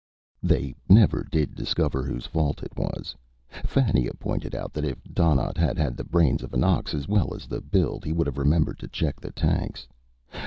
_ They never did discover whose fault it was. Fannia pointed out that if Donnaught had had the brains of an ox, as well as the build, he would have remembered to check the tanks.